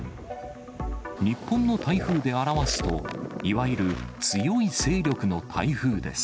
日本の台風で表すと、いわゆる強い勢力の台風です。